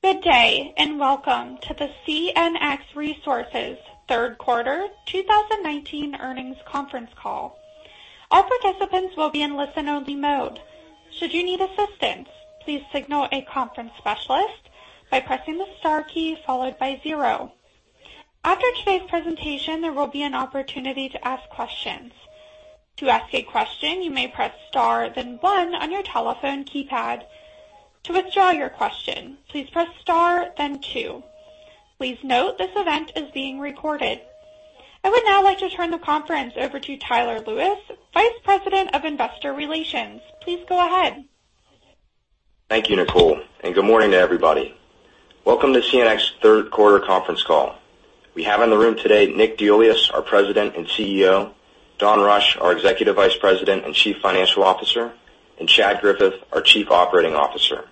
Good day. Welcome to the CNX Resources third quarter 2019 earnings conference call. All participants will be in listen only mode. Should you need assistance, please signal a conference specialist by pressing the star key followed by zero. After today's presentation, there will be an opportunity to ask questions. To ask a question, you may press Star, then one on your telephone keypad. To withdraw your question, please press Star, then two. Please note, this event is being recorded. I would now like to turn the conference over to Tyler Lewis, Vice President of Investor Relations. Please go ahead. Thank you, Nicole, and good morning to everybody. Welcome to CNX third quarter conference call. We have in the room today Nick DeIuliis, our President and Chief Executive Officer, Don Rush, our Executive Vice President and Chief Financial Officer, and Chad Griffith, our Chief Operating Officer.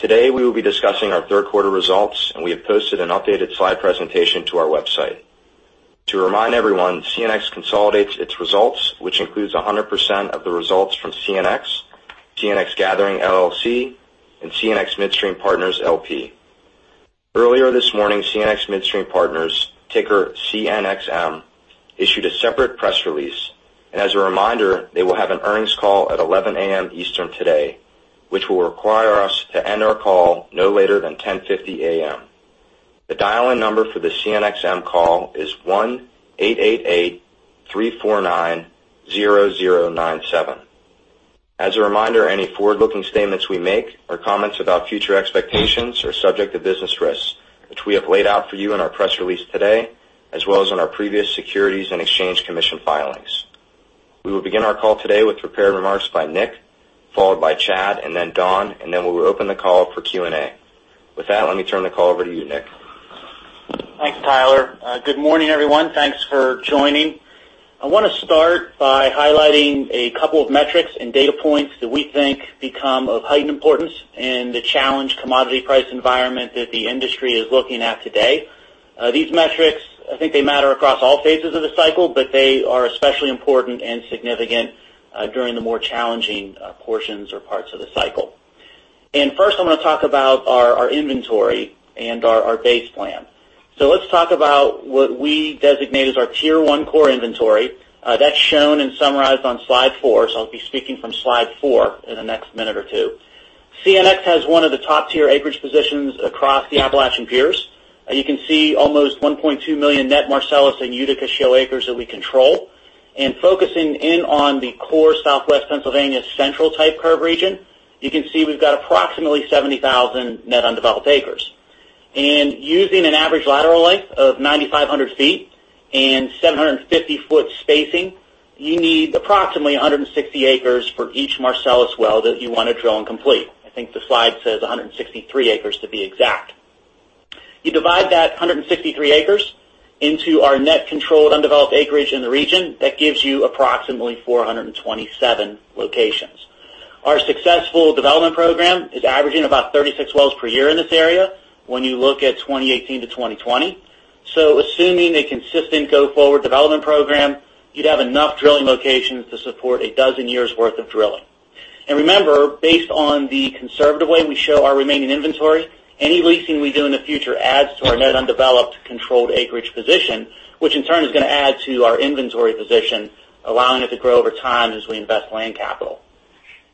Today we will be discussing our third quarter results, and we have posted an updated slide presentation to our website. To remind everyone, CNX consolidates its results, which includes 100% of the results from CNX Gathering LLC, and CNX Midstream Partners LP. Earlier this morning, CNX Midstream Partners, ticker CNXM, issued a separate press release. As a reminder, they will have an earnings call at 11:00 A.M. Eastern today, which will require us to end our call no later than 10:50 A.M. The dial-in number for the CNXM call is 1-888-349-0097. As a reminder, any forward-looking statements we make or comments about future expectations are subject to business risks, which we have laid out for you in our press release today, as well as in our previous Securities and Exchange Commission filings. We will begin our call today with prepared remarks by Nick, followed by Chad, and then Don, and then we will open the call for Q&A. With that, let me turn the call over to you, Nick. Thanks, Tyler. Good morning, everyone. Thanks for joining. I want to start by highlighting a couple of metrics and data points that we think become of heightened importance in the challenged commodity price environment that the industry is looking at today. These metrics, I think they matter across all phases of the cycle, but they are especially important and significant during the more challenging portions or parts of the cycle. First, I want to talk about our inventory and our base plan. Let's talk about what we designate as our Tier 1 core inventory. That's shown and summarized on slide four. I'll be speaking from slide four in the next minute or two. CNX has one of the top tier acreage positions across the Appalachian peers. You can see almost 1.2 million net Marcellus and Utica shale acres that we control. Focusing in on the core Southwest Pennsylvania central type curve region, you can see we've got approximately 70,000 net undeveloped acres. Using an average lateral length of 9,500 feet and 750 foot spacing, you need approximately 160 acres for each Marcellus well that you want to drill and complete. I think the slide says 163 acres to be exact. You divide that 163 acres into our net controlled undeveloped acreage in the region. That gives you approximately 427 locations. Our successful development program is averaging about 36 wells per year in this area when you look at 2018 to 2020. Assuming a consistent go-forward development program, you'd have enough drilling locations to support 12 years worth of drilling. Remember, based on the conservative way we show our remaining inventory, any leasing we do in the future adds to our net undeveloped controlled acreage position, which in turn is going to add to our inventory position, allowing it to grow over time as we invest land capital.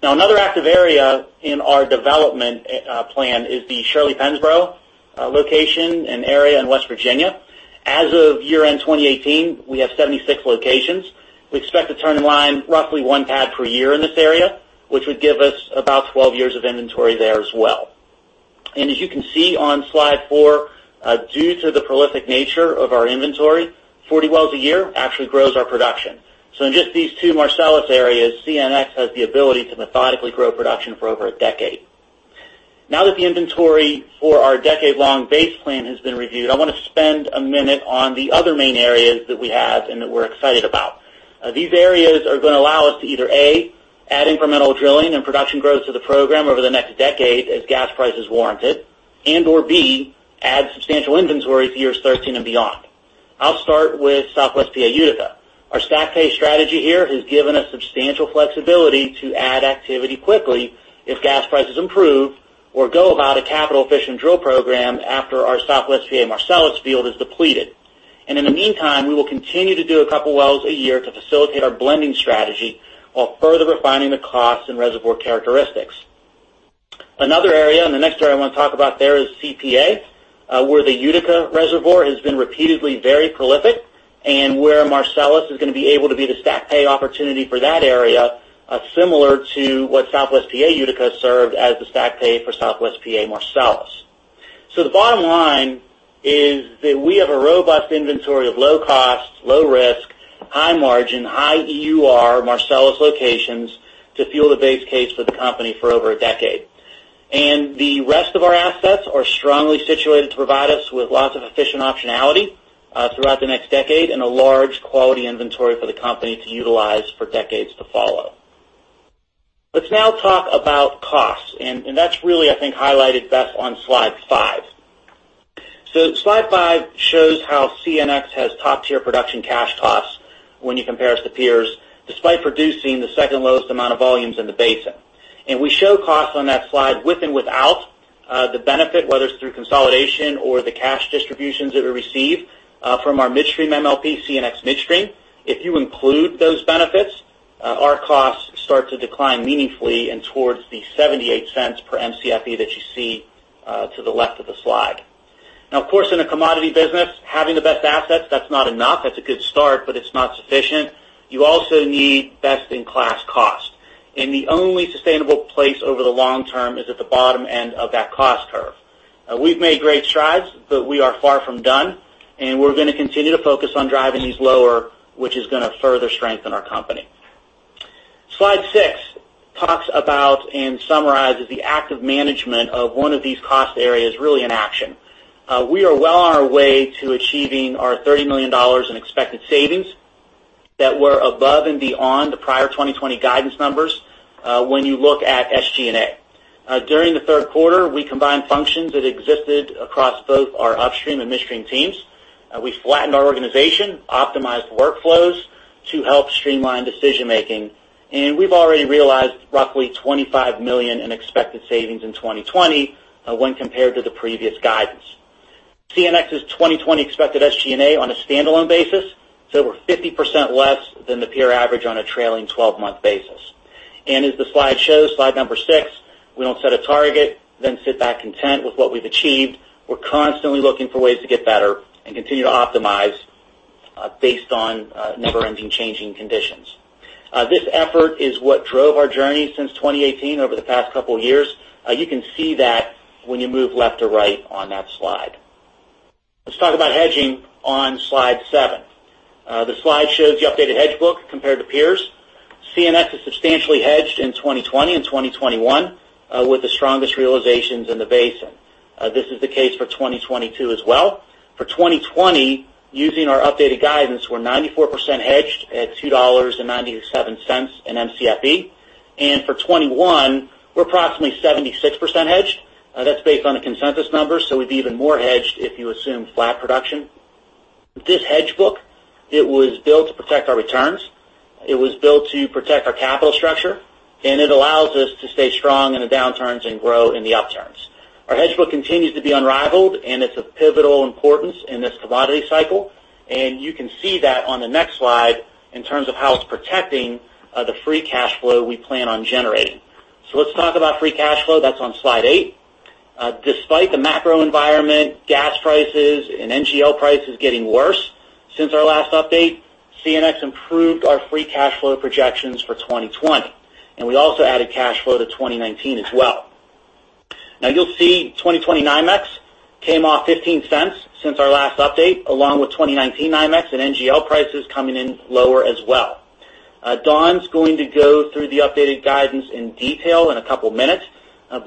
Another active area in our development plan is the Shirley-Pennsboro location and area in West Virginia. As of year-end 2018, we have 76 locations. We expect to turn in line roughly one pad per year in this area, which would give us about 12 years of inventory there as well. As you can see on slide four, due to the prolific nature of our inventory, 40 wells a year actually grows our production. In just these two Marcellus areas, CNX has the ability to methodically grow production for over a decade. Now that the inventory for our decade-long base plan has been reviewed, I want to spend a minute on the other main areas that we have and that we're excited about. These areas are going to allow us to either, A, add incremental drilling and production growth to the program over the next decade as gas prices warrant it, and/or B, add substantial inventory for years 2013 and beyond. I'll start with Southwest PA Utica. Our stacked pay strategy here has given us substantial flexibility to add activity quickly if gas prices improve or go about a capital-efficient drill program after our Southwest PA Marcellus field is depleted. In the meantime, we will continue to do a couple of wells a year to facilitate our blending strategy while further refining the cost and reservoir characteristics. Another area, the next area I want to talk about there, is CPA, where the Utica reservoir has been repeatedly very prolific and where Marcellus is going to be able to be the stacked pay opportunity for that area, similar to what Southwest PA Utica served as the stacked pay for Southwest PA Marcellus. The bottom line is that we have a robust inventory of low cost, low risk, high margin, high EUR Marcellus locations to fuel the base case for the company for over a decade. The rest of our assets are strongly situated to provide us with lots of efficient optionality throughout the next decade and a large quality inventory for the company to utilize for decades to follow. Let's now talk about cost, and that's really, I think, highlighted best on slide five. Slide five shows how CNX has top-tier production cash costs when you compare us to peers, despite producing the second lowest amount of volumes in the basin. We show costs on that slide with and without the benefit, whether it's through consolidation or the cash distributions that we receive from our midstream MLP, CNX Midstream. If you include those benefits, our costs start to decline meaningfully and towards the $0.78 per Mcfe that you see to the left of the slide. Now, of course, in a commodity business, having the best assets, that's not enough. That's a good start, but it's not sufficient. You also need best-in-class cost. The only sustainable place over the long term is at the bottom end of that cost curve. We've made great strides, but we are far from done, and we're going to continue to focus on driving these lower, which is going to further strengthen our company. Slide six talks about and summarizes the active management of one of these cost areas really in action. We are well on our way to achieving our $30 million in expected savings that were above and beyond the prior 2020 guidance numbers when you look at SG&A. During the third quarter, we combined functions that existed across both our upstream and midstream teams. We flattened our organization, optimized workflows to help streamline decision-making, and we've already realized roughly $25 million in expected savings in 2020 when compared to the previous guidance. CNX's 2020 expected SG&A on a standalone basis is over 50% less than the peer average on a trailing 12-month basis. As the slide shows, slide number 6, we don't set a target, then sit back content with what we've achieved. We're constantly looking for ways to get better and continue to optimize based on never-ending changing conditions. This effort is what drove our journey since 2018 over the past couple of years. You can see that when you move left to right on that slide. Let's talk about hedging on slide seven. The slide shows the updated hedge book compared to peers. CNX is substantially hedged in 2020 and 2021 with the strongest realizations in the basin. This is the case for 2022 as well. For 2020, using our updated guidance, we're 94% hedged at $2.97 in Mcfe. For 2021, we're approximately 76% hedged. That's based on the consensus numbers. We'd be even more hedged if you assume flat production. This hedge book was built to protect our returns. It was built to protect our capital structure, it allows us to stay strong in the downturns and grow in the upturns. Our hedge book continues to be unrivaled, it's of pivotal importance in this commodity cycle, and you can see that on the next slide in terms of how it's protecting the free cash flow we plan on generating. Let's talk about free cash flow. That's on slide eight. Despite the macro environment, gas prices, and NGL prices getting worse since our last update, CNX improved our free cash flow projections for 2020, we also added cash flow to 2019 as well. You'll see 2020 NYMEX came off $0.15 since our last update, along with 2019 NYMEX and NGL prices coming in lower as well. Don's going to go through the updated guidance in detail in a couple of minutes.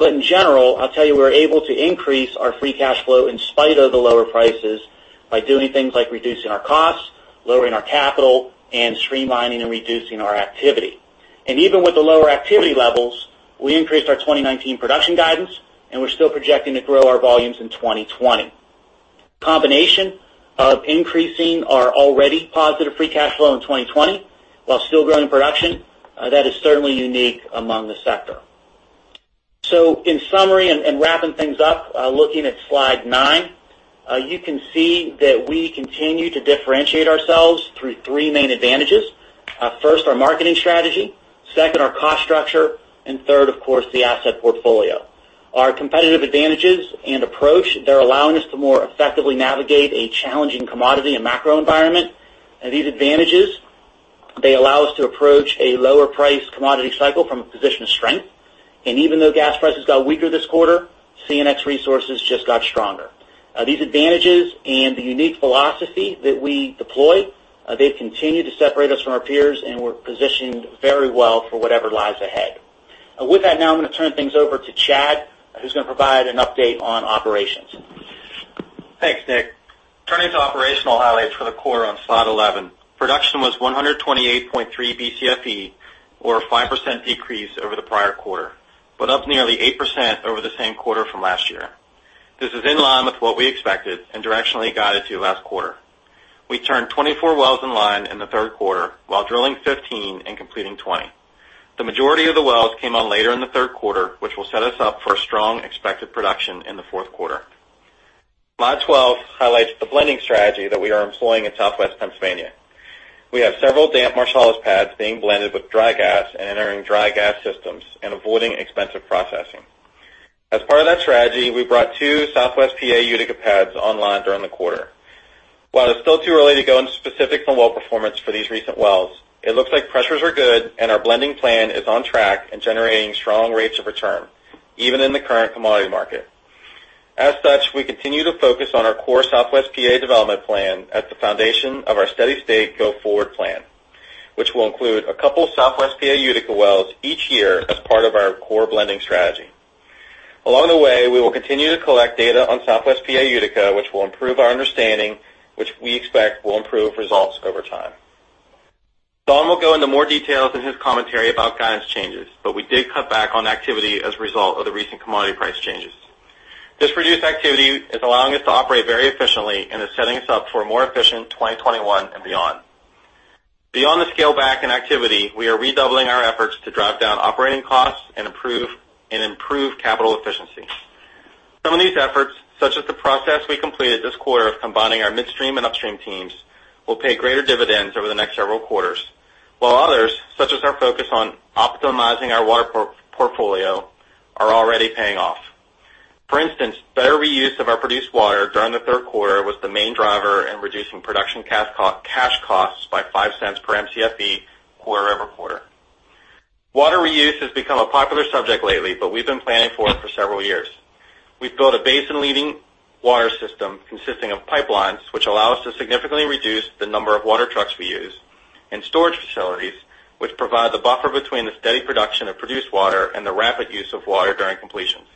In general, I'll tell you, we were able to increase our free cash flow in spite of the lower prices by doing things like reducing our costs, lowering our capital, and streamlining and reducing our activity. Even with the lower activity levels, we increased our 2019 production guidance, and we're still projecting to grow our volumes in 2020. Combination of increasing our already positive free cash flow in 2020 while still growing production, that is certainly unique among the sector. In summary and wrapping things up, looking at slide nine, you can see that we continue to differentiate ourselves through three main advantages. First, our marketing strategy, second, our cost structure, and third, of course, the asset portfolio. Our competitive advantages and approach, they're allowing us to more effectively navigate a challenging commodity and macro environment. These advantages, they allow us to approach a lower priced commodity cycle from a position of strength. Even though gas prices got weaker this quarter, CNX Resources just got stronger. These advantages and the unique philosophy that we deploy, they continue to separate us from our peers and we're positioned very well for whatever lies ahead. With that, now I'm going to turn things over to Chad, who's going to provide an update on operations. Thanks, Nick. Turning to operational highlights for the quarter on slide 11. Production was 128.3 Mcfe or a 5% decrease over the prior quarter, but up nearly 8% over the same quarter from last year. This is in line with what we expected and directionally guided to last quarter. We turned 24 wells in line in the third quarter while drilling 15 and completing 20. The majority of the wells came on later in the third quarter, which will set us up for a strong expected production in the fourth quarter. Slide 12 highlights the blending strategy that we are employing in Southwest Pennsylvania. We have several damp Marcellus pads being blended with dry gas and entering dry gas systems and avoiding expensive processing. As part of that strategy, we brought two Southwest PA Utica pads online during the quarter. While it's still too early to go into specifics on well performance for these recent wells, it looks like pressures were good and our blending plan is on track and generating strong rates of return, even in the current commodity market. As such, we continue to focus on our core Southwest PA development plan as the foundation of our steady-state go-forward plan, which will include a couple Southwest PA Utica wells each year as part of our core blending strategy. Along the way, we will continue to collect data on Southwest PA Utica, which will improve our understanding, which we expect will improve results over time. Don will go into more details in his commentary about guidance changes, but we did cut back on activity as a result of the recent commodity price changes. This reduced activity is allowing us to operate very efficiently and is setting us up for a more efficient 2021 and beyond. Beyond the scale back in activity, we are redoubling our efforts to drive down operating costs and improve capital efficiency. Some of these efforts, such as the process we completed this quarter of combining our midstream and upstream teams, will pay greater dividends over the next several quarters, while others, such as our focus on optimizing our water portfolio, are already paying off. For instance, better reuse of our produced water during the third quarter was the main driver in reducing production cash costs by $0.05 per Mcfe quarter-over-quarter. Water reuse has become a popular subject lately, but we've been planning for it for several years. We've built a basin-leading water system consisting of pipelines, which allow us to significantly reduce the number of water trucks we use, and storage facilities, which provide the buffer between the steady production of produced water and the rapid use of water during completions.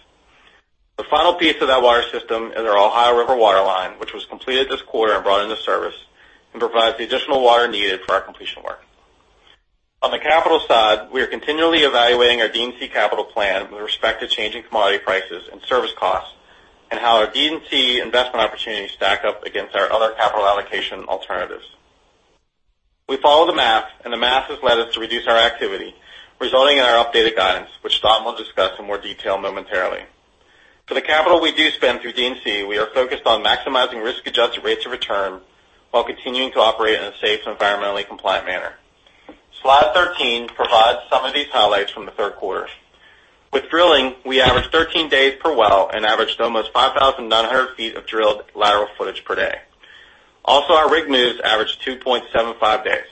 The final piece of that water system is our Ohio River waterline, which was completed this quarter and brought into service and provides the additional water needed for our completion work. On the capital side, we are continually evaluating our D&C capital plan with respect to changing commodity prices and service costs, and how our D&C investment opportunities stack up against our other capital allocation alternatives. We follow the math, and the math has led us to reduce our activity, resulting in our updated guidance, which Don will discuss in more detail momentarily. For the capital we do spend through D&C, we are focused on maximizing risk-adjusted rates of return while continuing to operate in a safe and environmentally compliant manner. Slide 13 provides some of these highlights from the third quarter. With drilling, we averaged 13 days per well and averaged almost 5,900 feet of drilled lateral footage per day. Our rig moves averaged 2.75 days.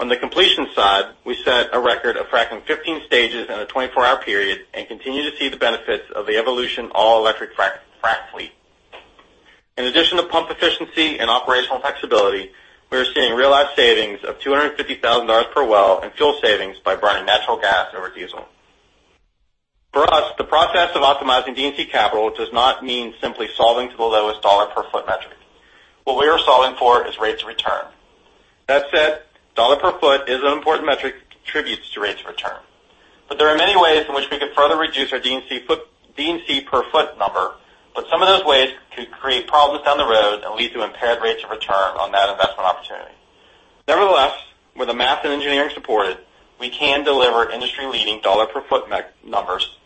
On the completion side, we set a record of fracking 15 stages in a 24-hour period and continue to see the benefits of the Evolution all-electric frac fleet. In addition to pump efficiency and operational flexibility, we are seeing real-life savings of $250,000 per well and fuel savings by burning natural gas over diesel. For us, the process of optimizing D&C capital does not mean simply solving to the lowest dollar per foot metric. What we are solving for is rates of return. That said, dollar per foot is an important metric that contributes to rates of return. There are many ways in which we could further reduce our D&C per foot number, but some of those ways could create problems down the road and lead to impaired rates of return on that investment opportunity. Nevertheless, with the math and engineering supported, we can deliver industry-leading dollar per foot numbers,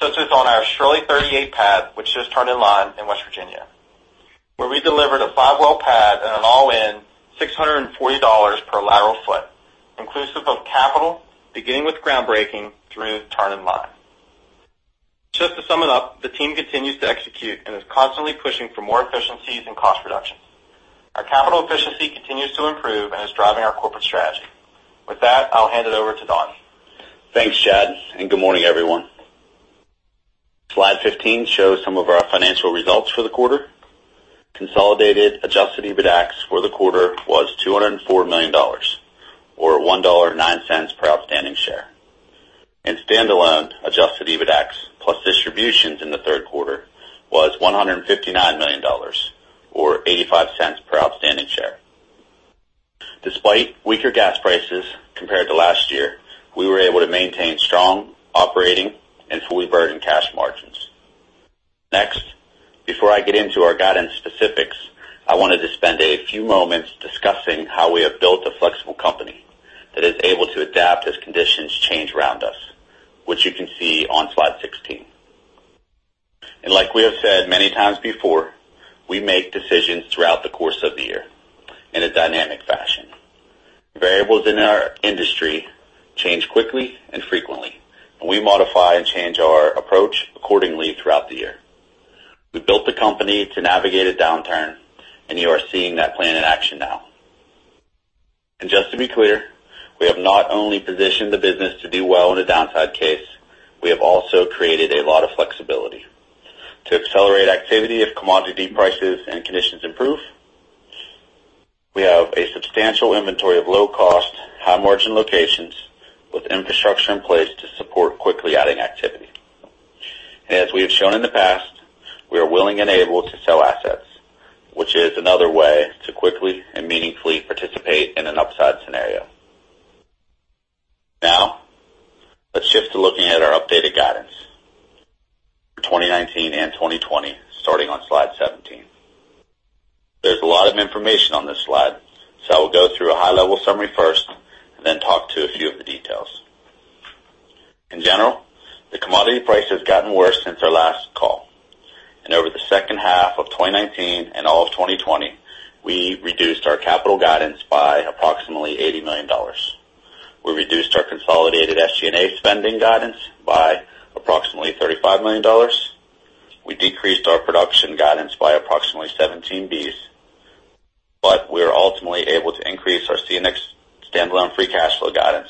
such as on our Shirley 38 pad, which just turned in line in West Virginia, where we delivered a five-well pad at an all-in $640 per lateral foot, inclusive of capital, beginning with groundbreaking through turn and line. Just to sum it up, the team continues to execute and is constantly pushing for more efficiencies and cost reductions. Our capital efficiency continues to improve and is driving our corporate strategy. With that, I'll hand it over to Don. Thanks, Chad, and good morning, everyone. Slide 15 shows some of our financial results for the quarter. Consolidated adjusted EBITDAX for the quarter was $204 million, or $1.09 per outstanding share. Standalone adjusted EBITDAX plus distributions in the third quarter was $159 million, or $0.85 per outstanding share. Despite weaker gas prices compared to last year, we were able to maintain strong operating and fully burdened cash margins. Next, before I get into our guidance specifics, I wanted to spend a few moments discussing how we have built a flexible company that is able to adapt as conditions change around us, which you can see on slide 16. Like we have said many times before, we make decisions throughout the course of the year in a dynamic fashion. Variables in our industry change quickly and frequently, and we modify and change our approach accordingly throughout the year. We built the company to navigate a downturn. You are seeing that plan in action now. Just to be clear, we have not only positioned the business to do well in a downside case, we have also created a lot of flexibility. To accelerate activity if commodity prices and conditions improve, we have a substantial inventory of low-cost, high-margin locations with infrastructure in place to support quickly adding activity. As we have shown in the past, we are willing and able to sell assets, which is another way to quickly and meaningfully participate in an upside scenario. Now, let's shift to looking at our updated guidance for 2019 and 2020, starting on slide 17. There's a lot of information on this slide, so I will go through a high-level summary first, and then talk to a few of the details. In general, the commodity price has gotten worse since our last call. Over the second half of 2019 and all of 2020, we reduced our capital guidance by approximately $80 million. We reduced our consolidated SG&A spending guidance by approximately $35 million. We decreased our production guidance by approximately 17 Bcfe. We are ultimately able to increase our CNX standalone free cash flow guidance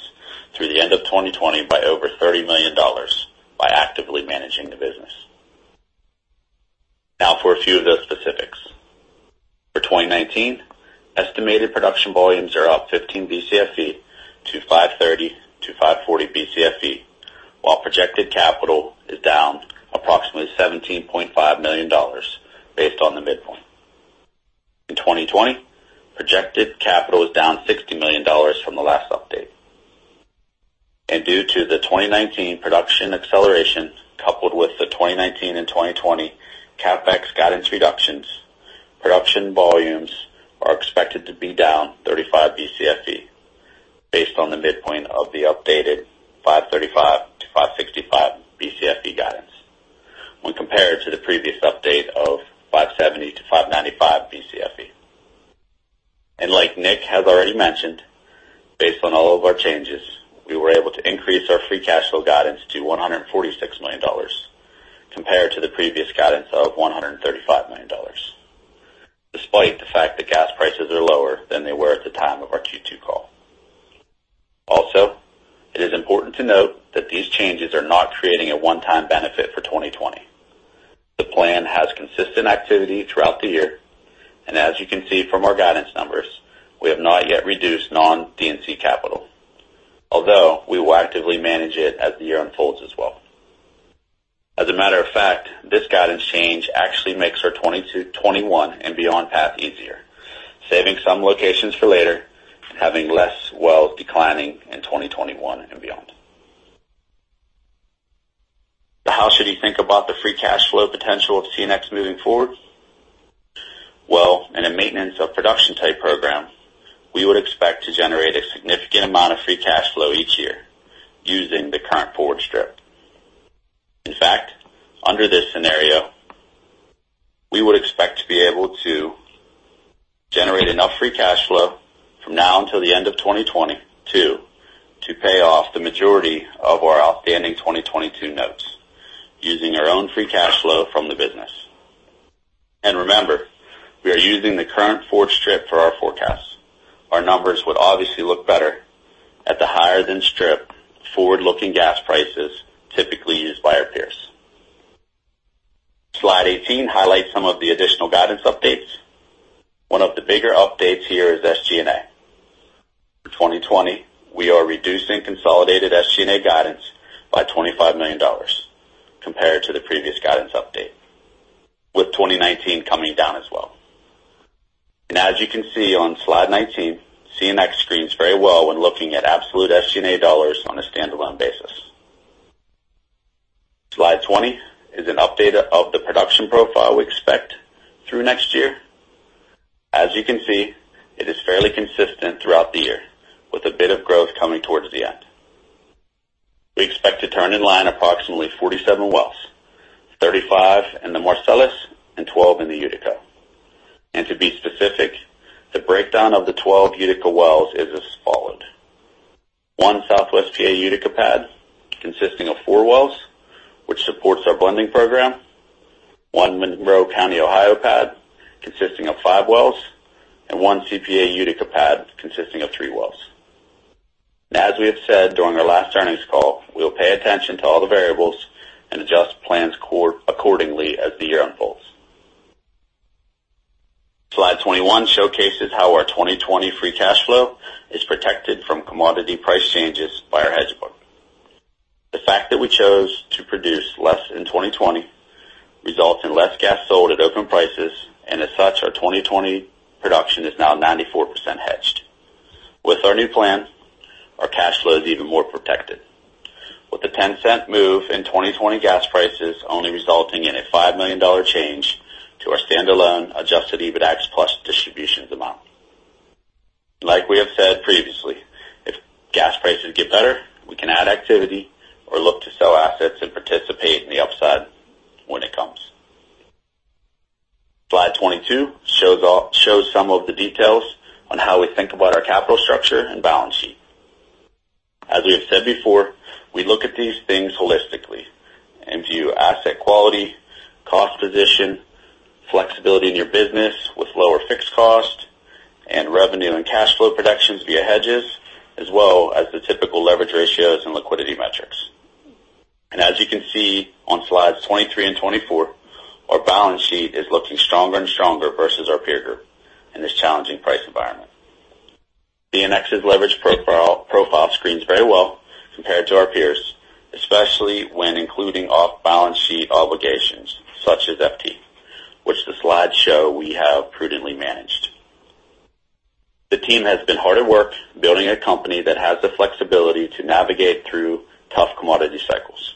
through the end of 2020 by over $30 million by actively managing the business. Now for a few of those specifics. For 2019, estimated production volumes are up 15 Bcfe to 530 to 540 Bcfe, while projected capital is down approximately $17.5 million based on the midpoint. In 2020, projected capital is down $60 million from the last update. Due to the 2019 production acceleration, coupled with the 2019 and 2020 CapEx guidance reductions, production volumes are expected to be down 35 Bcfe based on the midpoint of the updated 535-565 Bcfe guidance when compared to the previous update of 570-595 Bcfe. Like Nick has already mentioned, based on all of our changes, we were able to increase our free cash flow guidance to $146 million compared to the previous guidance of $135 million, despite the fact that gas prices are lower than they were at the time of our Q2 call. Also, it is important to note that these changes are not creating a one-time benefit for 2020. The plan has consistent activity throughout the year, and as you can see from our guidance numbers, we have not yet reduced non-D&C capital, although we will actively manage it as the year unfolds as well. As a matter of fact, this guidance change actually makes our 2020 to 2021 and beyond path easier, saving some locations for later, having less wells declining in 2021 and beyond. How should you think about the free cash flow potential of CNX moving forward? Well, in a maintenance of production type program, we would expect to generate a significant amount of free cash flow each year using the current forward strip. In fact, under this scenario, we would expect to be able to generate enough free cash flow from now until the end of 2022 to pay off the majority of our outstanding 2022 notes using our own free cash flow from the business. Remember, we are using the current forward strip for our forecast. Our numbers would obviously look better at the higher-than-strip forward-looking gas prices typically used by our peers. Slide 18 highlights some of the additional guidance updates. One of the bigger updates here is SG&A. For 2020, we are reducing consolidated SG&A guidance by $25 million compared to the previous guidance update, with 2019 coming down as well. As you can see on slide 19, CNX screens very well when looking at absolute SG&A dollars on a standalone basis. Slide 20 is an update of the production profile we expect through next year. As you can see, it is fairly consistent throughout the year with a bit of growth coming towards the end. We expect to turn in line approximately 47 wells, 35 in the Marcellus and 12 in the Utica. To be specific, the breakdown of the 12 Utica wells is as followed: one southwest PA Utica pad consisting of four wells, which supports our blending program, one Monroe County, Ohio pad consisting of five wells, and one CPA Utica pad consisting of three wells. As we have said during our last earnings call, we will pay attention to all the variables and adjust plans accordingly as the year unfolds. Slide 21 showcases how our 2020 free cash flow is protected from commodity price changes by our hedge book. The fact that we chose to produce less in 2020 results in less gas sold at open prices, and as such, our 2020 production is now 94% hedged. With our new plan, our cash flow is even more protected. With the $0.10 move in 2020 gas prices only resulting in a $5 million change to our standalone adjusted EBITDA+ distributions amount. Like we have said previously, if gas prices get better, we can add activity or look to sell assets and participate in the upside when it comes. Slide 22 shows some of the details on how we think about our capital structure and balance sheet. As we have said before, we look at these things holistically and view asset quality, cost position, flexibility in your business with lower fixed cost, and revenue and cash flow productions via hedges, as well as the typical leverage ratios and liquidity metrics. As you can see on slides 23 and 24, our balance sheet is looking stronger and stronger versus our peer group in this challenging price environment. CNX's leverage profile screens very well compared to our peers, especially when including off-balance sheet obligations such as FT, which the slides show we have prudently managed. The team has been hard at work building a company that has the flexibility to navigate through tough commodity cycles.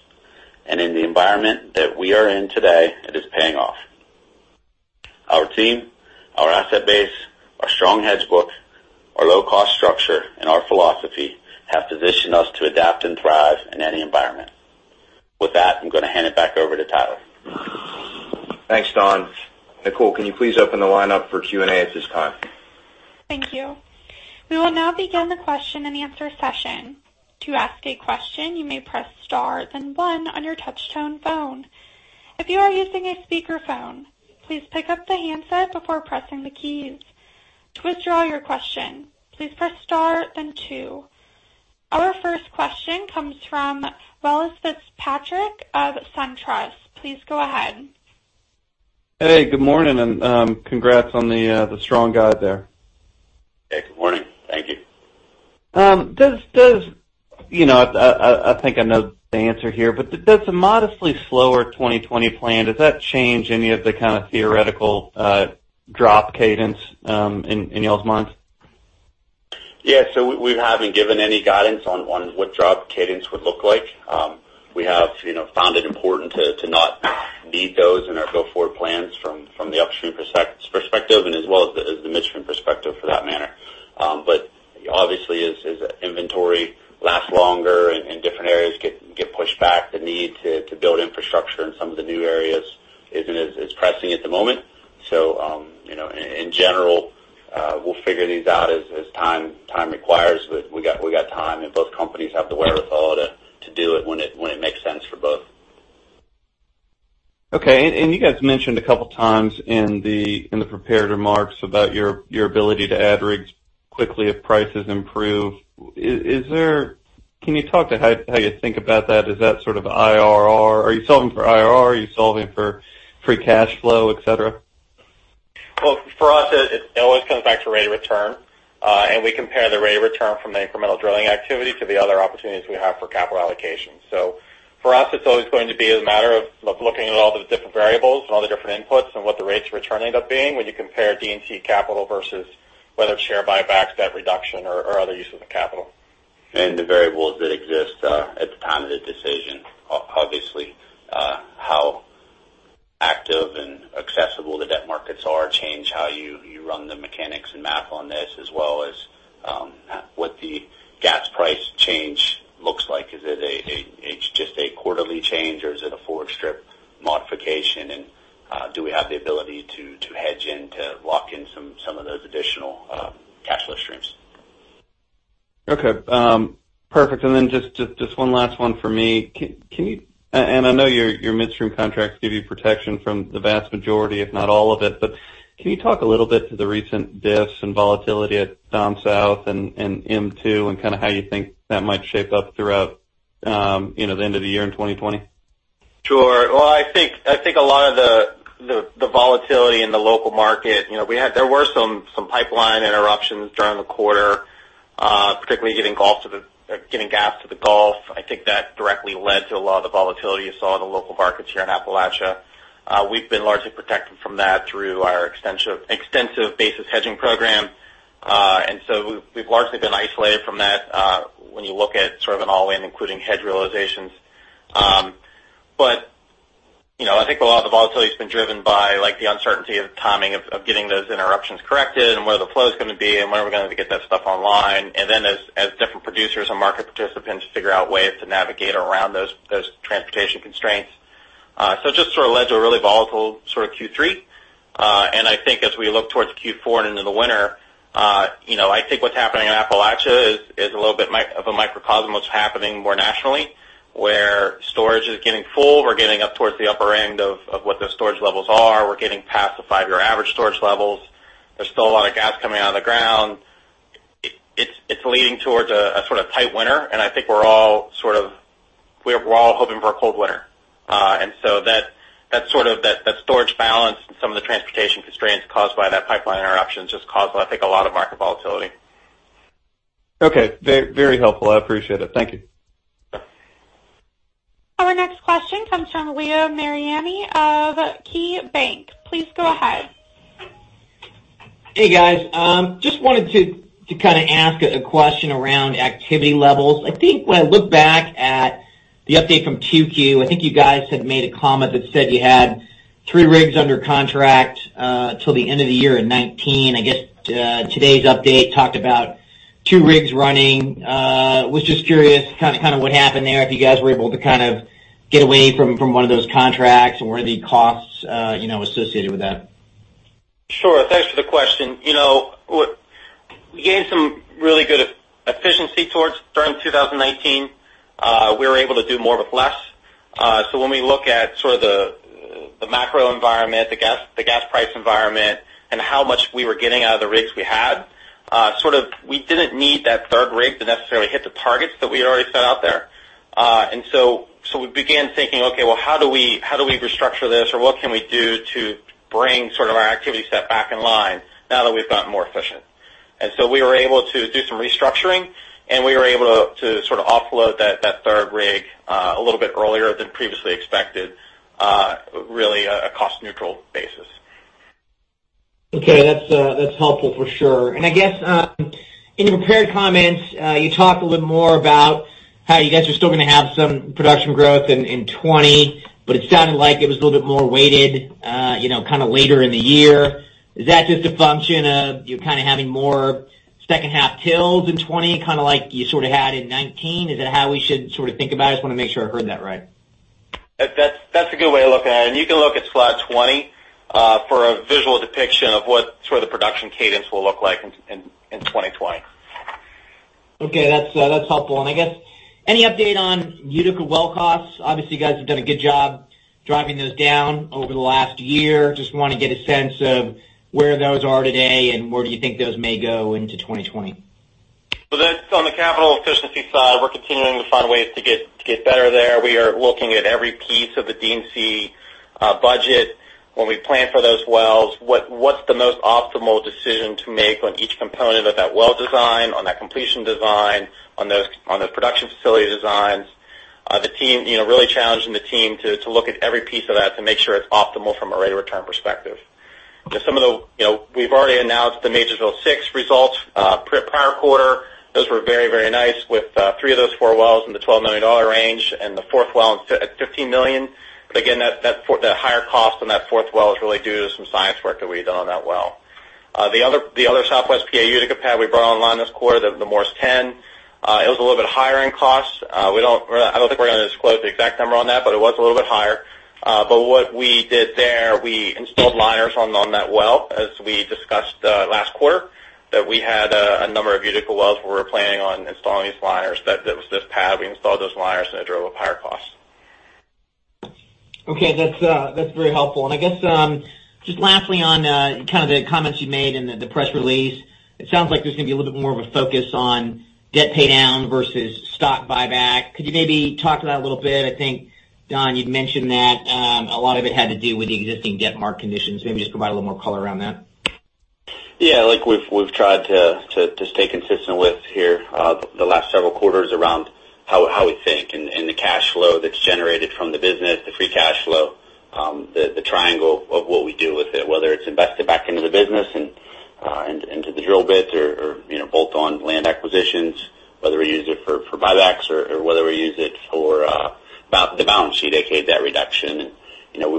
In the environment that we are in today, it is paying off. Our team, our asset base, our strong hedge book, our low-cost structure, and our philosophy have positioned us to adapt and thrive in any environment. With that, I'm going to hand it back over to Tyler. Thanks, Don. Nicole, can you please open the line up for Q&A at this time? Thank you. We will now begin the question and answer session. To ask a question, you may press star then one on your touchtone phone. If you are using a speakerphone, please pick up the handset before pressing the keys. To withdraw your question, please press star then two. Our first question comes from Welles Fitzpatrick of SunTrust. Please go ahead. Hey, good morning, and congrats on the strong guide there. I think I know the answer here, but does a modestly slower 2020 plan, does that change any of the theoretical drop cadence in y'all's minds? Yeah. We haven't given any guidance on what drop cadence would look like. We have found it important to not need those in our go-forward plans from the upstream perspective, and as well as the midstream perspective for that matter. Obviously, as inventory lasts longer and different areas get pushed back, the need to build infrastructure in some of the new areas isn't as pressing at the moment. In general, we'll figure these out as time requires, but we got time, and both companies have the wherewithal to do it when it makes sense for both. Okay. You guys mentioned a couple of times in the prepared remarks about your ability to add rigs quickly if prices improve. Can you talk to how you think about that? Is that sort of IRR? Are you solving for IRR? Are you solving for free cash flow, et cetera? Well, for us, it always comes back to rate of return. We compare the rate of return from the incremental drilling activity to the other opportunities we have for capital allocation. For us, it's always going to be a matter of looking at all the different variables and all the different inputs, and what the rates of return end up being when you compare D&C capital versus whether it's share buybacks, debt reduction, or other uses of capital. The variables that exist at the time of the decision. Obviously how active and accessible the debt markets are change how you run the mechanics and math on this, as well as what the gas price change looks like. Is it just a quarterly change or is it a forward strip modification? Do we have the ability to hedge in to lock in some of those additional cash flow streams? Okay. Perfect. Then just one last one for me. I know your midstream contracts give you protection from the vast majority, if not all of it, but can you talk a little bit to the recent diffs and volatility at Dom South and M2, and how you think that might shape up throughout the end of the year in 2020? Sure. I think a lot of the volatility in the local market, there were some pipeline interruptions during the quarter, particularly getting gas to the Gulf. I think that directly led to a lot of the volatility you saw in the local markets here in Appalachia. We've been largely protected from that through our extensive basis hedging program. We've largely been isolated from that when you look at sort of an all-in, including hedge realizations. I think a lot of the volatility's been driven by the uncertainty of timing of getting those interruptions corrected, and what are the flows going to be, and when are we going to get that stuff online. As different producers and market participants figure out ways to navigate around those transportation constraints. It just sort of led to a really volatile Q3. I think as we look towards Q4 and into the winter, I think what's happening in Appalachia is a little bit of a microcosm of what's happening more nationally, where storage is getting full. We're getting up towards the upper end of what the storage levels are. We're getting past the five-year average storage levels. There's still a lot of gas coming out of the ground. It's leading towards a sort of tight winter, and I think we're all hoping for a cold winter. That storage balance and some of the transportation constraints caused by that pipeline interruption just caused, I think, a lot of market volatility. Okay. Very helpful. I appreciate it. Thank you. Our next question comes from Leo Mariani of KeyBank. Please go ahead. Hey, guys. Just wanted to ask a question around activity levels. I think when I look back at the update from 2Q, I think you guys had made a comment that said you had three rigs under contract until the end of the year in 2019. I guess today's update talked about two rigs running. I was just curious what happened there, if you guys were able to get away from one of those contracts, and what are the costs associated with that? Sure. Thanks for the question. We gained some really good efficiency towards the turn of 2019. We were able to do more with less. When we look at the macro environment, the natural gas price environment, and how much we were getting out of the rigs we had, we didn't need that third rig to necessarily hit the targets that we had already set out there. We began thinking, "Okay, well, how do we restructure this?" Or, "What can we do to bring our activity set back in line now that we've gotten more efficient?" We were able to do some restructuring, and we were able to offload that third rig a little bit earlier than previously expected, really a cost-neutral basis. Okay. That's helpful for sure. I guess in your prepared comments, you talked a little more about how you guys are still going to have some production growth in 2020, but it sounded like it was a little bit more weighted later in the year. Is that just a function of you having more second half tilts in 2020 like you had in 2019? Is that how we should think about it? I just want to make sure I heard that right. That's a good way of looking at it. You can look at Slide 20 for a visual depiction of what the production cadence will look like in 2020. Okay. That's helpful. I guess any update on Utica well costs? Obviously, you guys have done a good job driving those down over the last year. Just want to get a sense of where those are today and where do you think those may go into 2020. That's on the capital efficiency side. We're continuing to find ways to get better there. We are looking at every piece of the D&C Budget, when we plan for those wells, what's the most optimal decision to make on each component of that well design, on that completion design, on those production facility designs? Really challenging the team to look at every piece of that to make sure it's optimal from a rate of return perspective. We've already announced the Majorsville 6 results prior quarter. Those were very nice with three of those four wells in the $12 million range, and the fourth well at $15 million. Again, that higher cost on that fourth well is really due to some science work that we've done on that well. The other Southwest PA Utica pad we brought online this quarter, the Morse 10. It was a little bit higher in cost. I don't think we're going to disclose the exact number on that. It was a little bit higher. What we did there, we installed liners on that well, as we discussed last quarter, that we had a number of Utica wells where we're planning on installing these liners. That was this pad. We installed those liners. It drove up higher costs. Okay. That's very helpful. I guess, just lastly on the comments you made in the press release. It sounds like there's going to be a little bit more of a focus on debt paydown versus stock buyback. Could you maybe talk to that a little bit? I think, Don, you'd mentioned that a lot of it had to do with the existing debt market conditions. Just provide a little more color around that. Yeah. We've tried to stay consistent with here, the last several quarters, around how we think, and the cash flow that's generated from the business, the free cash flow, the triangle of what we do with it, whether it's invested back into the business and into the drill bits or bolt-on land acquisitions, whether we use it for buybacks or whether we use it for the balance sheet, aka debt reduction.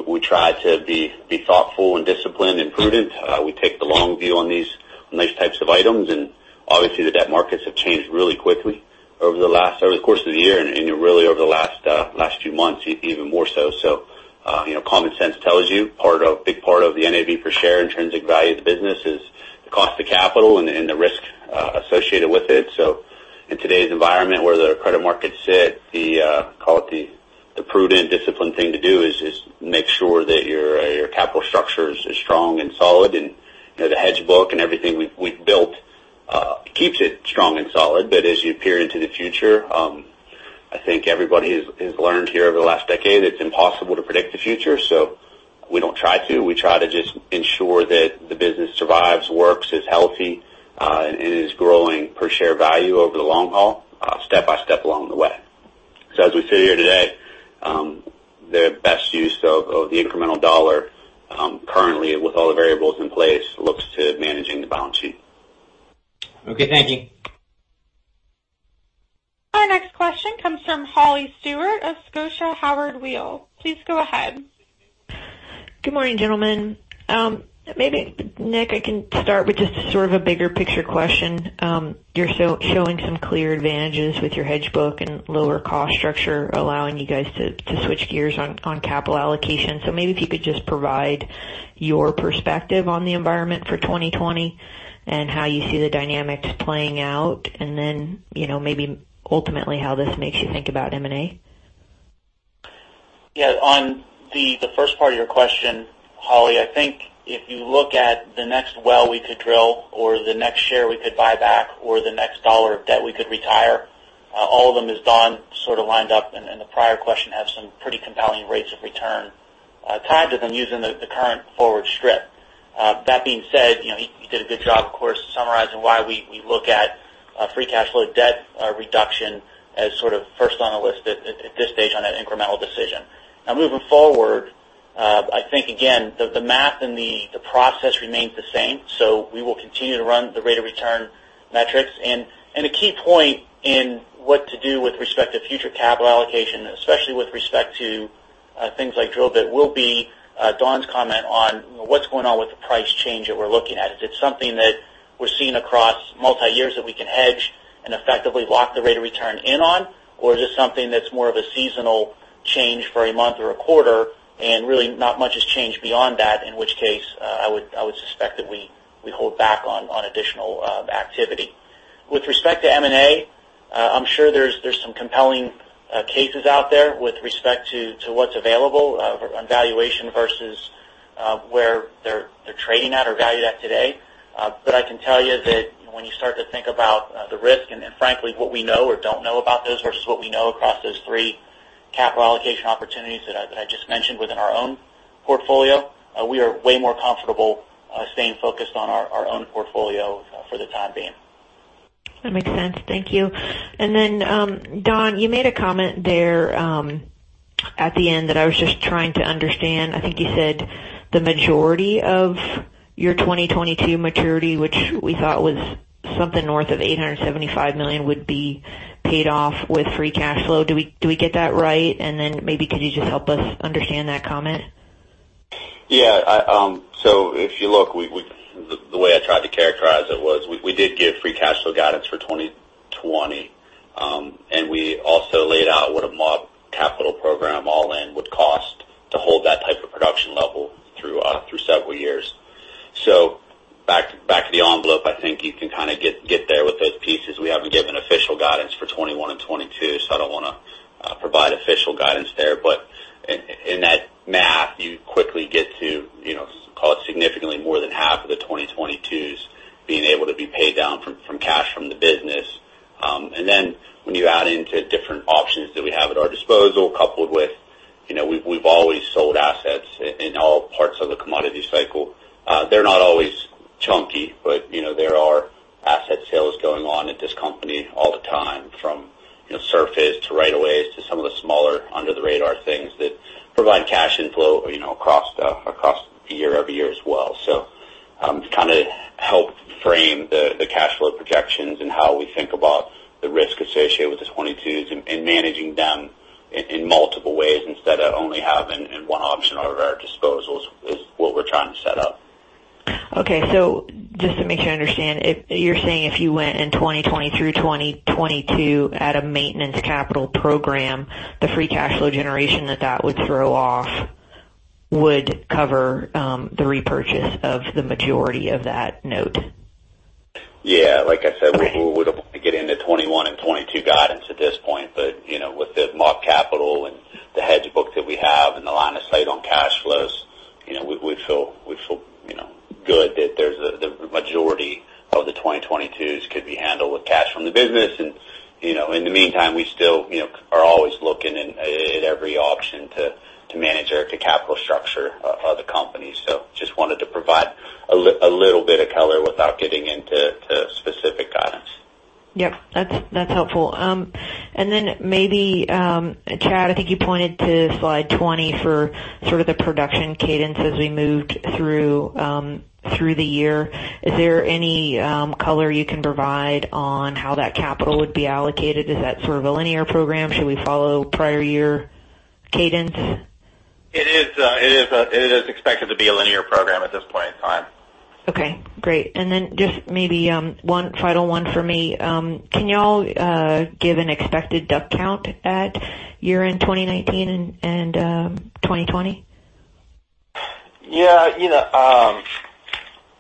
We try to be thoughtful and disciplined and prudent. We take the long view on these types of items, and obviously, the debt markets have changed really quickly over the course of the year and really over the last few months, even more so. Common sense tells you, a big part of the NAV per share intrinsic value of the business is the cost of capital and the risk associated with it. In today's environment where the credit markets sit, the prudent, disciplined thing to do is just make sure that your capital structure is strong and solid. The hedge book and everything we've built keeps it strong and solid. As you peer into the future, I think everybody has learned here over the last decade, it's impossible to predict the future. We don't try to. We try to just ensure that the business survives, works, is healthy, and is growing per share value over the long haul, step by step along the way. As we sit here today, the best use of the incremental dollar currently with all the variables in place looks to managing the balance sheet. Okay. Thank you. Our next question comes from Holly Stewart of Scotia Howard Weil. Please go ahead. Good morning, gentlemen. Maybe, Nick, I can start with just sort of a bigger picture question. You're showing some clear advantages with your hedge book and lower cost structure, allowing you guys to switch gears on capital allocation. Maybe if you could just provide your perspective on the environment for 2020 and how you see the dynamics playing out, and then maybe ultimately how this makes you think about M&A. Yeah. On the first part of your question, Holly, I think if you look at the next well we could drill or the next share we could buy back or the next dollar of debt we could retire, all of them, as Don sort of lined up in the prior question, have some pretty compelling rates of return tied to them using the current forward strip. That being said, he did a good job, of course, summarizing why we look at free cash flow debt reduction as sort of first on the list at this stage on that incremental decision. Now moving forward, I think, again, the math and the process remains the same. We will continue to run the rate of return metrics. A key point in what to do with respect to future capital allocation, especially with respect to things like drill bit, will be Don's comment on what's going on with the price change that we're looking at. Is it something that we're seeing across multi-years that we can hedge and effectively lock the rate of return in on, or is this something that's more of a seasonal change for a month or a quarter, and really not much has changed beyond that, in which case, I would suspect that we hold back on additional activity? With respect to M&A, I'm sure there's some compelling cases out there with respect to what's available on valuation versus where they're trading at or valued at today. I can tell you that when you start to think about the risk and frankly, what we know or don't know about those versus what we know across those three capital allocation opportunities that I just mentioned within our own portfolio, we are way more comfortable staying focused on our own portfolio for the time being. That makes sense. Thank you. Don, you made a comment there at the end that I was just trying to understand. I think you said the majority of your 2022 maturity, which we thought was something north of $875 million, would be paid off with free cash flow. Do we get that right? Maybe could you just help us understand that comment? Yeah. If you look, the way I tried to characterize it was we did give free cash flow guidance for 2020. We also laid out what a maintenance capital program all in would cost to hold that type of production level through several years. Back to the envelope, I think you can get there with those pieces. We haven't given official guidance for 2021 and 2022, so I don't want to provide official guidance there. In that math, you quickly get to call it significantly more than half of the 2022s being able to be paid down from cash from the business. When you add into different options that we have at our disposal, coupled with, we've always sold assets in all parts of the commodity cycle. They're not always chunky, but there are asset sales going on at this company all the time, from surface, to right of ways, to some of the smaller under-the-radar things that provide cash inflow across year-over-year as well. To help frame the cash flow projections and how we think about the risk associated with the 2022s and managing them in multiple ways instead of only having one option over our disposals is what we're trying to set up. Okay. Just to make sure I understand. You're saying if you went in 2020 through 2022 at a maintenance capital program, the free cash flow generation that that would throw off would cover the repurchase of the majority of that note? Yeah. Like I said, we wouldn't want to get into 2021 and 2022 guidance at this point. With the maintenance capital, and the hedge book that we have, and the line of sight on cash flows, we feel good that the majority of the 2022s could be handled with cash from the business. In the meantime, we still are always looking at every option to manage our capital structure of the company. Just wanted to provide a little bit of color without getting into specific guidance. Yep. That's helpful. Then maybe, Chad, I think you pointed to slide 20 for sort of the production cadence as we moved through the year. Is there any color you can provide on how that capital would be allocated? Is that sort of a linear program? Should we follow prior year cadence? It is expected to be a linear program at this point in time. Okay, great. Then just maybe one final one for me. Can y'all give an expected DUC count at year-end 2019 and 2020?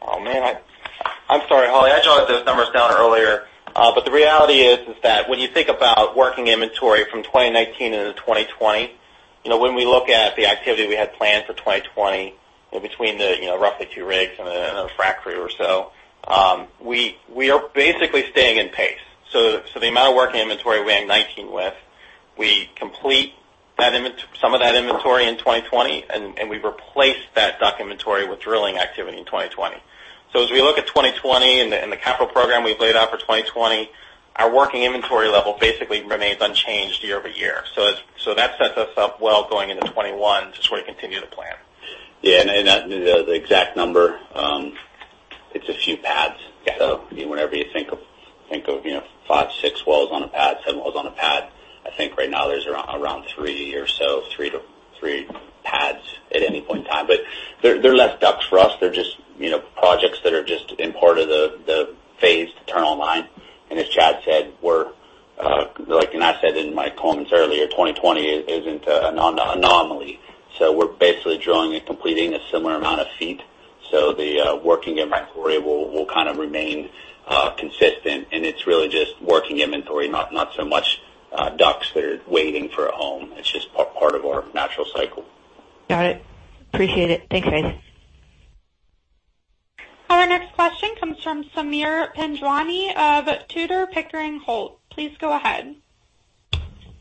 Oh, man. I'm sorry, Holly. I jot those numbers down earlier. The reality is that when you think about working inventory from 2019 into 2020, when we look at the activity we had planned for 2020 between the roughly two rigs and a frack crew or so, we are basically staying in pace. The amount of working inventory we end 2019 with, we complete some of that inventory in 2020, and we've replaced that duck inventory with drilling activity in 2020. As we look at 2020 and the capital program we've laid out for 2020, our working inventory level basically remains unchanged year-over-year. That sets us up well going into 2021, just where we continue to plan. Yeah. The exact number, it's a few pads. Yeah. Whenever you think of five, six wells on a pad, seven wells on a pad, I think right now there's around three or so, three pads at any point in time. They're less DUCs for us. They're just projects that are just in part of the phase to turn online. As Chad said, and I said in my comments earlier, 2020 isn't an anomaly. We're basically drilling and completing a similar amount of feet. The working inventory will kind of remain consistent, and it's really just working inventory, not so much DUCs that are waiting for a home. It's just part of our natural cycle. Got it. Appreciate it. Thanks, guys. Our next question comes from Sameer Panjwani of Tudor, Pickering, Holt. Please go ahead.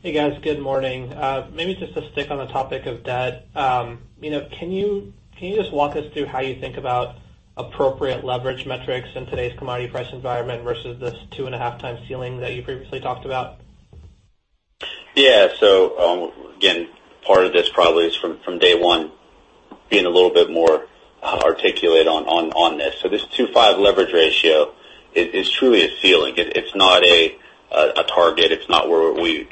Hey, guys. Good morning. Maybe just to stick on the topic of debt. Can you just walk us through how you think about appropriate leverage metrics in today's commodity price environment versus this 2.5x ceiling that you previously talked about? Yeah. Again, part of this probably is from day one being a little bit more articulate on this. This 2.5 leverage ratio is truly a ceiling. It's not a target. It's not where we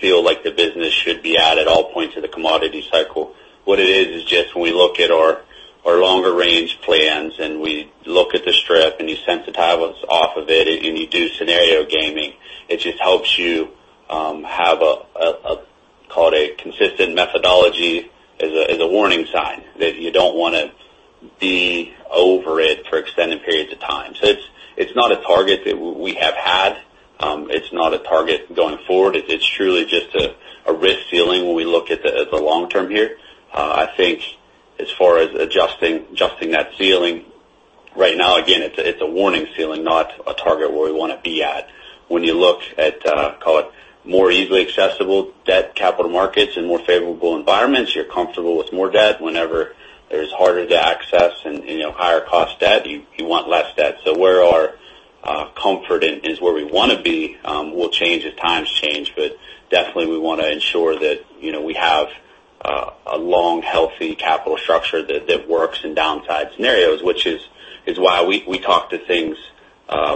feel like the business should be at at all points of the commodity cycle. What it is just when we look at our longer range plans, and we look at the strip, and you sensitize what's off of it, and you do scenario gaming, it just helps you have a, call it a consistent methodology as a warning sign that you don't want to be over it for extended periods of time. It's not a target that we have had. It's not a target going forward. It's truly just a risk ceiling when we look at the long term here. I think as far as adjusting that ceiling right now, again, it's a warning ceiling, not a target where we want to be at. When you look at, call it, more easily accessible debt capital markets and more favorable environments, you're comfortable with more debt. Whenever there's harder to access and higher cost debt, you want less debt. Where our comfort is where we want to be will change as times change. Definitely, we want to ensure that we have a long, healthy capital structure that works in downside scenarios, which is why we talk to things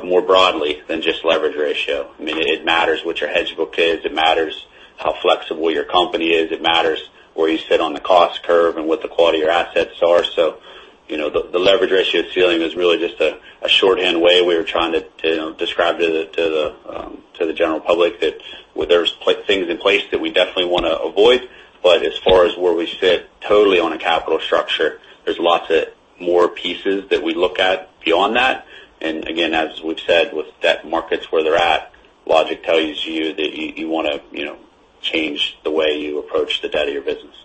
more broadly than just leverage ratio. It matters what your hedge book is. It matters how flexible your company is. It matters where you sit on the cost curve and what the quality of your assets are. The leverage ratio ceiling is really just a shorthand way we are trying to describe to the general public that there's things in place that we definitely want to avoid. As far as where we sit totally on a capital structure, there's lots of more pieces that we look at beyond that. Again, as we've said, with debt markets where they're at, logic tells you that you want to change the way you approach the debt of your business.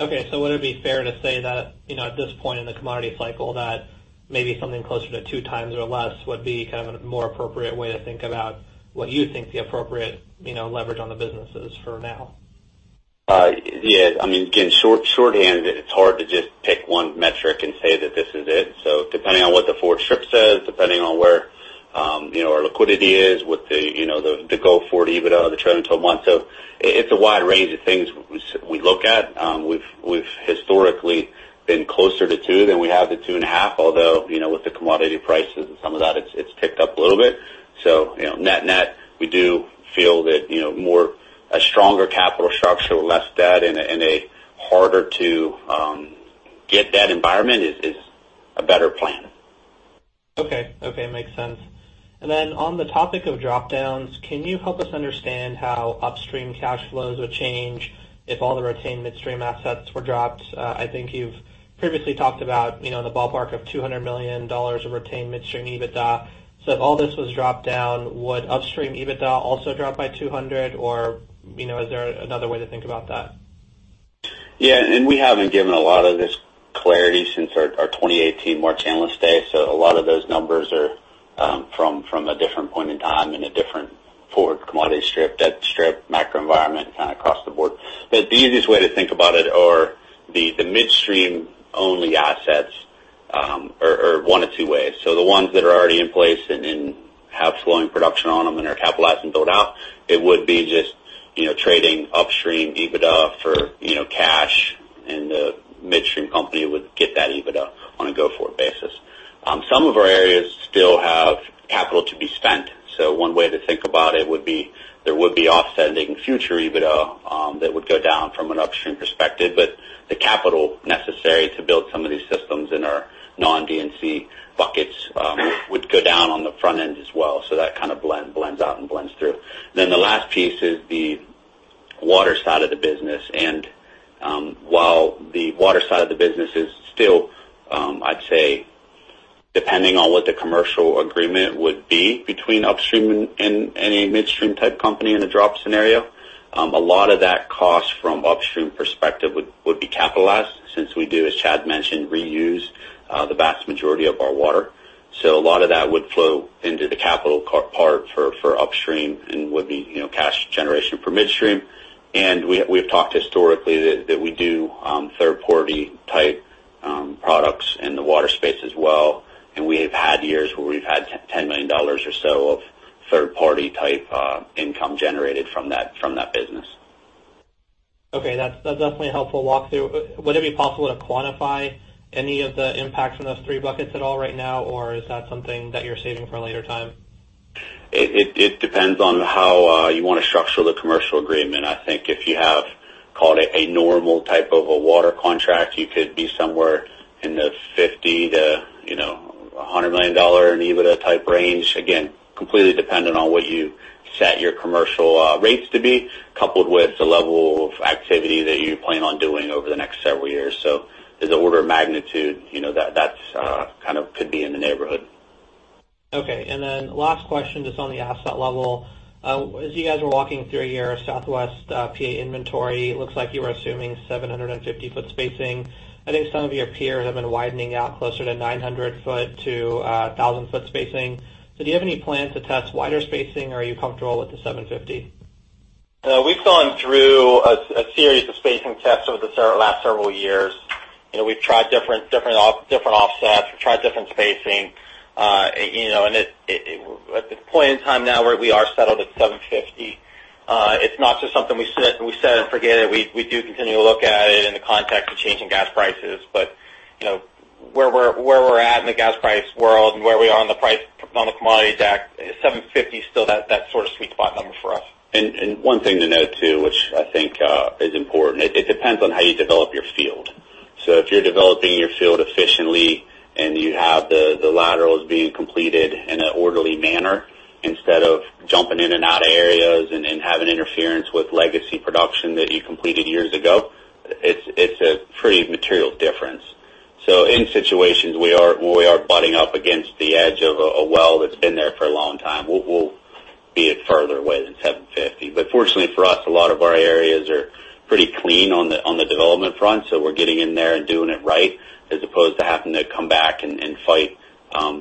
Okay. Would it be fair to say that at this point in the commodity cycle, that maybe something closer to two times or less would be a more appropriate way to think about what you think the appropriate leverage on the business is for now? Yes. Again, shorthand, it's hard to just pick one metric and say that this is it. Depending on what the forward strip says, depending on where our liquidity is with the go-forward EBITDA, the trailing 12 months. It's a wide range of things we look at. We've historically been closer to two than we have to two and a half, although, with the commodity prices and some of that, it's ticked up a little bit. Net-net, we do feel that a stronger capital structure, less debt in a harder to get that environment is a better plan. Okay. Makes sense. On the topic of drop-downs, can you help us understand how upstream cash flows would change if all the retained midstream assets were dropped? I think you've previously talked about the ballpark of $200 million of retained midstream EBITDA. If all this was dropped down, would upstream EBITDA also drop by $200, or is there another way to think about that? Yeah. We haven't given a lot of this clarity since our 2018 March Analyst Day. A lot of those numbers are from a different point in time, in a different forward commodity strip, debt strip, macro environment, kind of across the board. The easiest way to think about it are the midstream only assets are one of two ways. The ones that are already in place and have flowing production on them and are capitalized and built out, it would be just trading upstream EBITDA for cash, and the midstream company would get that EBITDA on a go-forward basis. Some of our areas still have capital to be spent. One way to think about it would be there would be offsetting future EBITDA that would go down from an upstream perspective. The capital necessary to build some of these systems in our non-D&C buckets would go down on the front end as well. That kind of blends out and blends through. The last piece is the water side of the business. While the water side of the business is still, I'd say, depending on what the commercial agreement would be between upstream and a midstream type company in a drop scenario, a lot of that cost from upstream perspective would be capitalized since we do, as Chad mentioned, reuse the vast majority of our water. A lot of that would flow into the capital part for upstream, and would be cash generation for midstream. We've talked historically that we do third-party type products in the water space as well, and we have had years where we've had $10 million or so of third-party type income generated from that business. That's definitely a helpful walkthrough. Would it be possible to quantify any of the impacts from those three buckets at all right now, or is that something that you're saving for a later time? It depends on how you want to structure the commercial agreement. I think if you have, call it a normal type of a water contract, you could be somewhere in the $50 million-$100 million in EBITDA type range. Again, completely dependent on what you set your commercial rates to be, coupled with the level of activity that you plan on doing over the next several years. As an order of magnitude, that kind of could be in the neighborhood. Okay. Last question, just on the asset level. As you guys were walking through your Southwest PA inventory, looks like you were assuming 750-foot spacing. I think some of your peers have been widening out closer to 900-foot to 1,000-foot spacing. Do you have any plans to test wider spacing, or are you comfortable with the 750? We've gone through a series of spacing tests over the last several years. We've tried different offsets. We've tried different spacing. At this point in time now, we are settled at 750. It's not just something we set and forget it. We do continue to look at it in the context of changing gas prices. Where we're at in the gas price world and where we are on the price on the commodity stack, 750 is still that sort of sweet spot number for us. One thing to note, too, which I think is important. It depends on how you develop your field. If you're developing your field efficiently and you have the laterals being completed in an orderly manner, instead of jumping in and out of areas and having interference with legacy production that you completed years ago, it's a pretty material difference. In situations we are butting up against the edge of a well that's been there for a long time, we'll be it further with 750. Fortunately for us, a lot of our areas are pretty clean on the development front. We're getting in there and doing it right, as opposed to having to come back and fight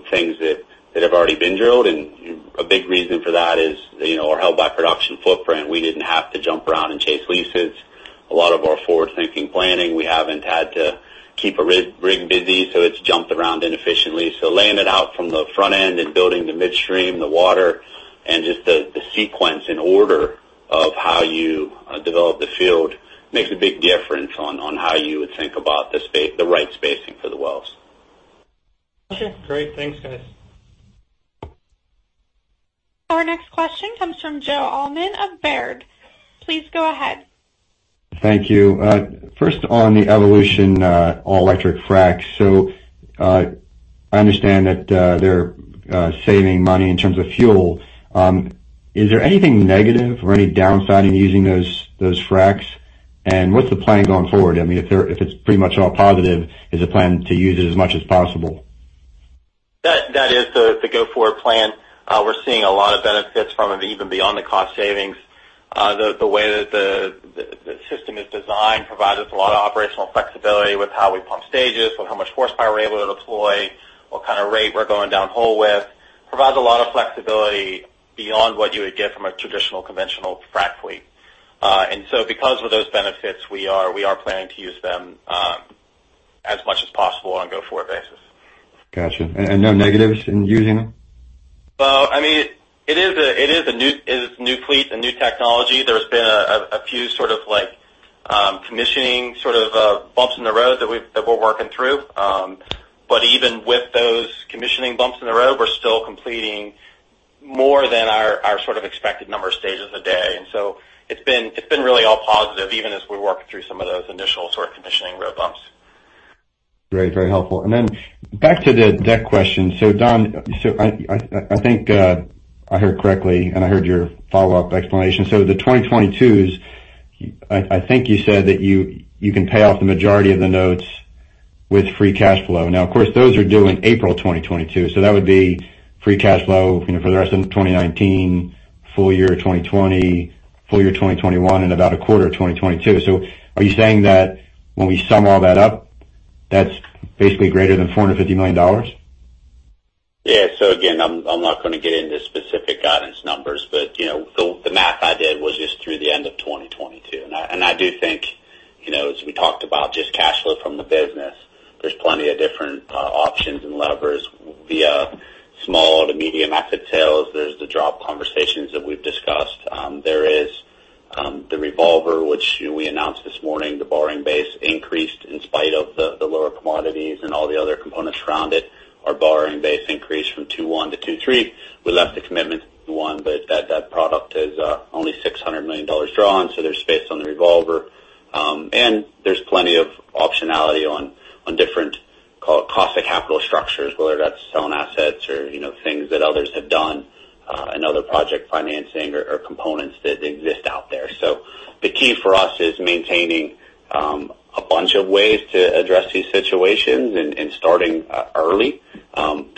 things that have already been drilled. A big reason for that is our held by production footprint. We didn't have to jump around and chase leases. A lot of our forward-thinking planning, we haven't had to keep a rig busy, so it's jumped around inefficiently. Laying it out from the front end and building the midstream, the water, and just the sequence and order of how you develop the field makes a big difference on how you would think about the right spacing for the wells. Okay, great. Thanks, guys. Our next question comes from Joseph Allman of Baird. Please go ahead. Thank you. First on the Evolution all-electric fracs. I understand that they're saving money in terms of fuel. Is there anything negative or any downside in using those fracs? What's the plan going forward? If it's pretty much all positive, is the plan to use it as much as possible? That is the go-forward plan. We're seeing a lot of benefits from it, even beyond the cost savings. The way that the system is designed provides us a lot of operational flexibility with how we pump stages, with how much horsepower we're able to deploy, what kind of rate we're going down hole with. Provides a lot of flexibility beyond what you would get from a traditional, conventional frac fleet. Because of those benefits, we are planning to use them as much as possible on a go-forward basis. Got you. No negatives in using them? Well, it is a new fleet, a new technology. There's been a few commissioning bumps in the road that we're working through. Even with those commissioning bumps in the road, we're still completing more than our expected number of stages a day. It's been really all positive, even as we work through some of those initial commissioning road bumps. Very helpful. Back to the debt question. Don, I think I heard correctly, and I heard your follow-up explanation. The 2022s, I think you said that you can pay off the majority of the notes with free cash flow. Those are due in April 2022, that would be free cash flow for the rest of 2019, full year 2020, full year 2021, and about a quarter of 2022. Are you saying that when we sum all that up, that's basically greater than $450 million? Again, I'm not going to get into specific guidance numbers, but the math I did was just through the end of 2022. I do think, as we talked about, just cash flow from the business, there's plenty of different options and levers via small to medium asset sales. There's the drop conversations that we've discussed. There is the revolver, which we announced this morning. The borrowing base increased in spite of the lower commodities and all the other components around it. Our borrowing base increased from $2.1 to $2.3. We left a commitment to do one, that product is only $600 million drawn, there's space on the revolver. There's plenty of optionality on different cost of capital structures, whether that's selling assets or things that others have done, and other project financing or components that exist out there. The key for us is maintaining a bunch of ways to address these situations and starting early. In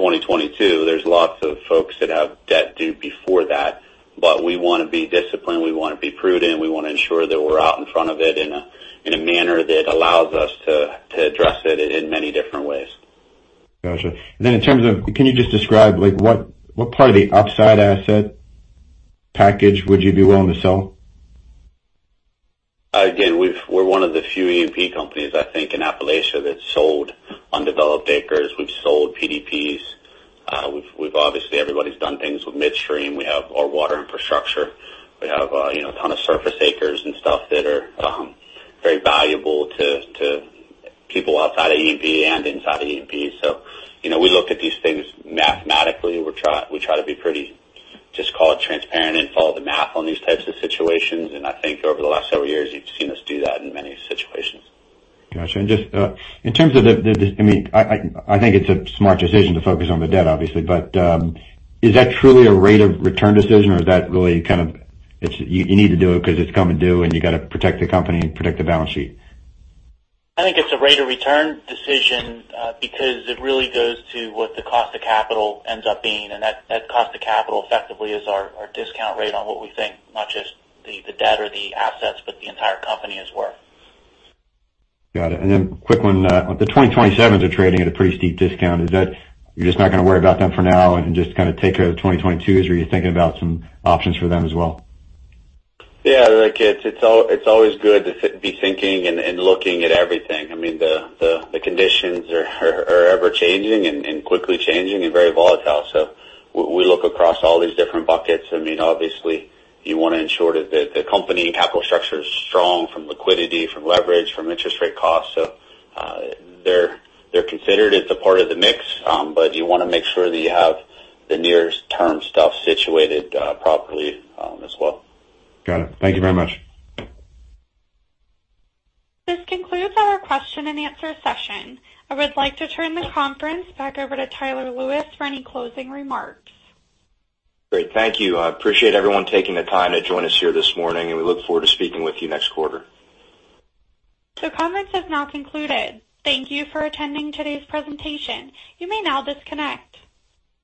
2022, there's lots of folks that have debt due before that. We want to be disciplined, we want to be prudent, we want to ensure that we're out in front of it in a manner that allows us to address it in many different ways. Got you. In terms of, can you just describe what part of the upside asset package would you be willing to sell? We're one of the few E&P companies, I think, in Appalachia that sold undeveloped acres. We've sold PDPs. Obviously, everybody's done things with midstream. We have our water infrastructure. We have a ton of surface acres and stuff that are very valuable to people outside of E&P and inside of E&P. We look at these things mathematically. We try to be pretty, just call it transparent, and follow the math on these types of situations. I think over the last several years, you've seen us do that in many situations. Got you. I think it's a smart decision to focus on the debt, obviously. Is that truly a rate of return decision, or is that really kind of, you need to do it because it's coming due, and you got to protect the company and protect the balance sheet? I think it's a rate of return decision because it really goes to what the cost of capital ends up being, and that cost of capital effectively is our discount rate on what we think, not just the debt or the assets, but the entire company is worth. Got it. Quick one. The 2027s are trading at a pretty steep discount. Is that you're just not going to worry about them for now and just take care of the 2022s? Or are you thinking about some options for them as well? Yeah, look, it's always good to be thinking and looking at everything. The conditions are ever-changing and quickly changing and very volatile. We look across all these different buckets. Obviously, you want to ensure that the company capital structure is strong from liquidity, from leverage, from interest rate costs. They're considered as a part of the mix, but you want to make sure that you have the nearest term stuff situated properly as well. Got it. Thank you very much. This concludes our question and answer session. I would like to turn the conference back over to Tyler Lewis for any closing remarks. Great. Thank you. I appreciate everyone taking the time to join us here this morning, and we look forward to speaking with you next quarter. The conference has now concluded. Thank you for attending today's presentation. You may now disconnect.